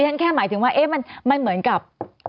ฉันแค่หมายถึงว่ามันเหมือนกับ